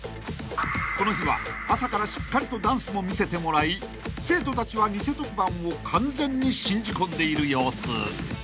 ［この日は朝からしっかりとダンスも見せてもらい生徒たちは偽特番を完全に信じ込んでいる様子］